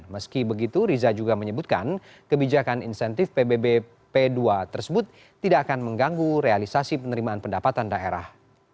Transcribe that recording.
meski begitu riza juga menyebutkan kebijakan insentif pbb p dua tersebut tidak akan mengganggu realisasi penerimaan pendapatan daerah